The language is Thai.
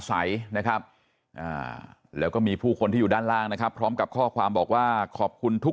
ใสนะครับแล้วก็มีผู้คนที่อยู่ด้านล่างนะครับพร้อมกับข้อความบอกว่าขอบคุณทุก